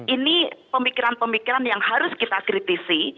ini pemikiran pemikiran yang harus kita kritisi